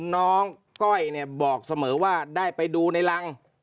ก้อยเนี่ยบอกเสมอว่าได้ไปดูในรัง